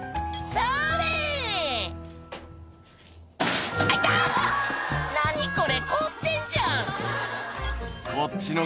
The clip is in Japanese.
「それ！」